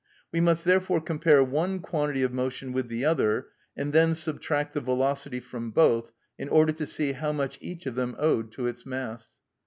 We must therefore compare one quantity of motion with the other, and then subtract the velocity from both, in order to see how much each of them owed to its mass.